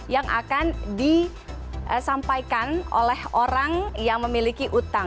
yang akan disampaikan oleh orang yang memiliki utang